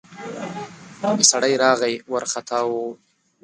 سړی راغی ، وارختا و.